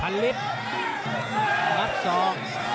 นับสอง